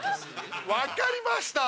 分かりました！